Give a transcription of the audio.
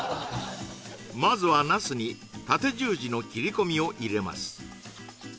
まずはナスに縦十字の切り込みを入れます